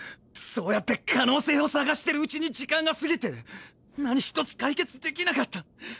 そうやって可能性を探してるうちに時間が過ぎて何一つ解決できなかった！！